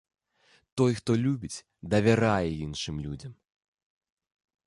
Той, хто любіць, давярае іншым людзям.